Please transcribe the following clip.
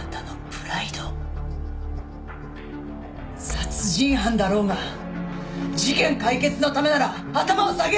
殺人犯だろうが事件解決のためなら頭を下げる。